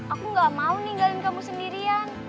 aku gak mau ninggalin kamu sendirian